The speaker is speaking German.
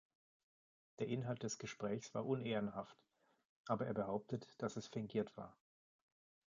Der Inhalt des Gesprächs war unehrenhaft, aber er behauptet, dass es fingiert war.